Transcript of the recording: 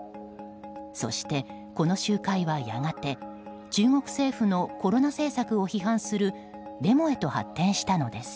そして、この集会はやがて中国政府のコロナ政策を批判するデモへと発展したのです。